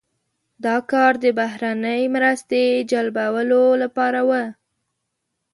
دا کار د بهرنۍ مرستې جلبولو لپاره و.